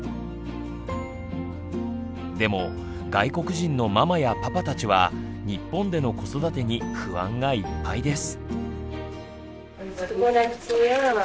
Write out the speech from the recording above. でも外国人のママやパパたちは日本での子育てに不安がいっぱいです。